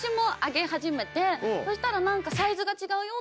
そしたら。